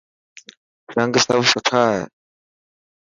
رنگ سڀ سٺا هي.